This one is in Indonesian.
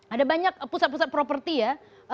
ada banyak pusat pusat properti ya